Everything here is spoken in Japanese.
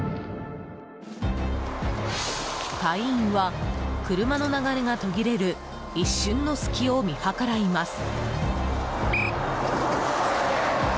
隊員は、車の流れが途切れる一瞬の隙を見計らいます。